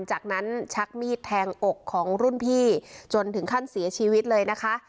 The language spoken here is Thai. จากนั้นชักมีดแทงอกของรุ่นพี่จนถึงขั้นเสียชีวิตเลยนะคะ